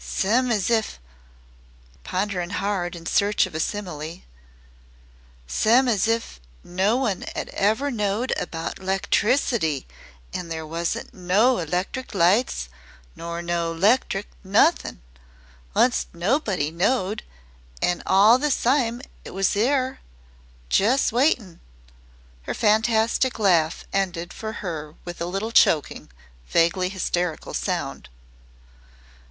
Sime as if " pondering hard in search of simile, "sime as if no one 'ad never knowed about 'lectricity, an' there wasn't no 'lectric lights nor no 'lectric nothin'. Onct nobody knowed, an' all the sime it was there jest waitin'." Her fantastic laugh ended for her with a little choking, vaguely hysteric sound.